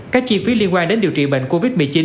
các chi phí liên quan đến điều trị bệnh covid một mươi chín